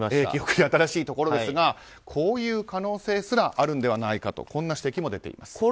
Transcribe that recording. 記憶に新しいところですがこういう可能性すらあるのではないかという指摘も出ています。